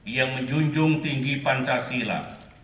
yang menjunjung tinggi pancasila